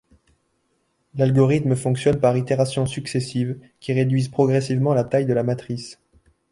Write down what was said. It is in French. L'algorithme fonctionne par itérations successives, qui réduisent progressivement la taille de la matrice.